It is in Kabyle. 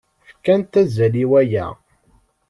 Fkant azal i waya.